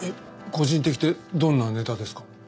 個人的ってどんなネタですか？